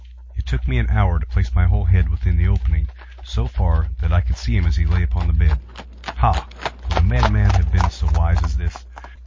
It took me an hour to place my whole head within the opening so far that I could see him as he lay upon his bed. Ha!—would a madman have been so wise as this?